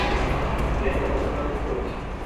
দেখো কতটা রুক্ষ হচ্ছে!